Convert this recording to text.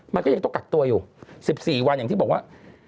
มันก็ยังต้องกักตัวอยู่๑๔วันอย่างที่บอกว่า